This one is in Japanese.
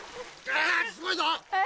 あすごいぞ！